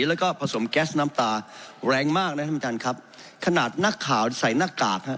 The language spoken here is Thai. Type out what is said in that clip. แล้วก็ผสมแก๊สน้ำตาแรงมากนะท่านประธานครับขนาดนักข่าวใส่หน้ากากฮะ